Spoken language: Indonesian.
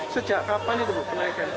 sejak kapan itu berkenaikan